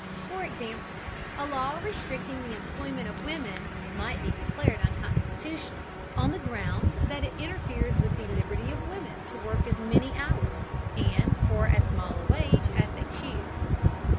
For example, a law restricting the employment of women might be declared unconstitutional on the grounds that it interferes with the "liberty" of women to work as many hours, and for as small a wage, as they choose.